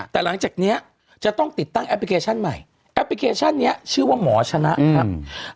แต่หลังจากนี้จะต้องติดตั้งแอปพลิเคชันใหม่แอปพลิเคชันนี้ชื่อว่าหมอชนะครับ